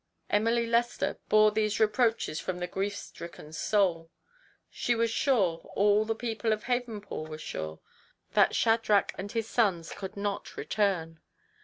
Emily Lester bore these reproaches from the grief stricken soul. She was sure all the people of Havenpool were sure that Shadrach and his sons could not return.